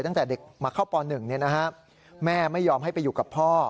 ตั้งแต่เด็กมาเข้าป๑แม่ไม่ยอมให้ไปอยู่กับพ่อ